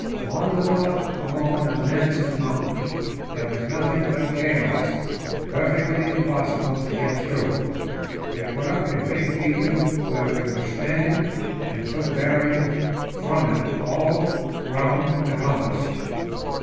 On the north along the Nansen Mountain there was nothing but chaos, perfectly impossible to get through. We put up a big beacon where we were standing, and took bearings from it all round the compass.